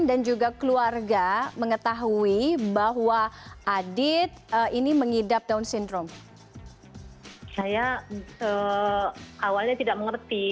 dan juga keluarga mengetahui bahwa adit ini mengidap down syndrome saya awalnya tidak mengerti